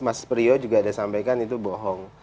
mas priyo juga disampaikan itu bohong